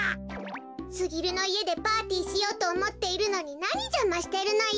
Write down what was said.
すぎるのいえでパーティーしようとおもっているのになにじゃましてるのよ。